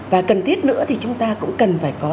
và cần thiết nữa thì chúng ta cũng cần phải có